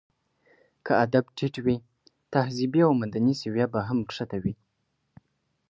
که ادب ټيت وي، تهذيبي او مدني سويه به هم ښکته وي.